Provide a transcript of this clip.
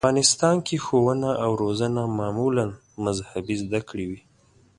په افغانستان کې ښوونه او روزنه معمولاً مذهبي زده کړې وې.